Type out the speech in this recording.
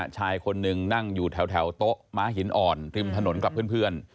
ชายคนหนึ่งนั่งอยู่แถวโต๊ะม้าหินอ่อนริมถนนกับเพื่อน